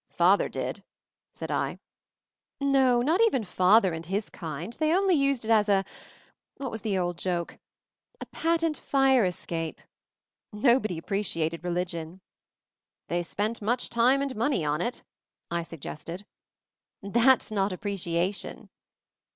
"Father did," said I. "No, not even Father and his kind — they only used it as a — what was the old joke? a patent fire escape! Nobody appreciated Religion !" "They spent much time and money on it," I suggested. "That's not appreciation